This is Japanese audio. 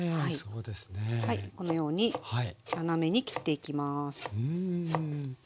このように斜めに切っていきます。